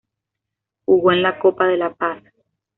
Jugó en la Copa de la Paz.